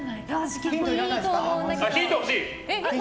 ヒント欲しい！